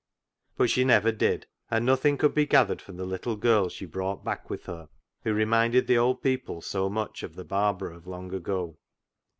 But she never did. And nothing could be gathered from the little girl she brought back with her, who reminded the old people so much of the Barbara of long ago.